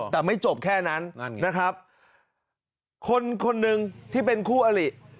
แต่ไม่จบแค่นั้นคนนึงที่เป็นคู่อลิ